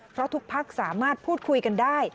เพราะทุกพักสามารถพูดคุยกันได้